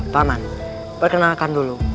paman perkenalkan dulu